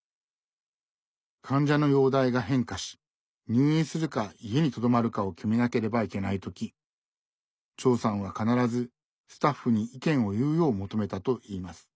患者の容体が変化し入院するか家にとどまるかを決めなければいけない時長さんは必ずスタッフに意見を言うよう求めたといいます。